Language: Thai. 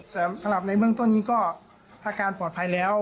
แต่สำหรับในเบื้องต้นนี้ก็อาการปลอดภัยแล้ว